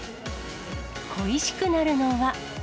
恋しくなるのは。